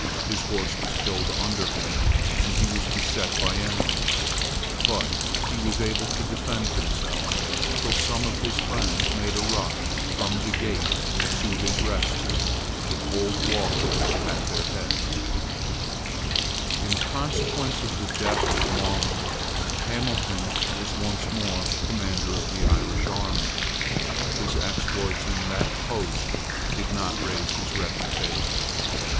His horse was killed under him; and he was beset by enemies: but he was able to defend himself till some of his friends made a rush from the gate to his rescue, with old Walker at their head, In consequence of the death of Maumont, Hamilton was once more commander of the Irish army. His exploits in that post did not raise his reputation.